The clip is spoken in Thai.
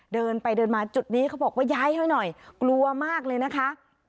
เดินไปเดินมาจุดนี้เขาบอกว่าย้ายให้หน่อยกลัวมากเลยนะคะ